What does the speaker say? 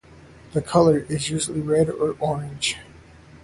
The color is usually red or orange.